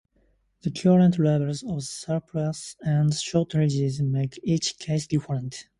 The current levels of surpluses and shortages make each case different.